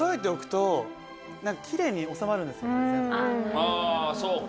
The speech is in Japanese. あそうか。